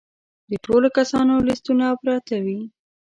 د ټولو کسانو لیستونه پراته وي.